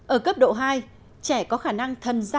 ở cấp độ hai trẻ có khả năng thân giác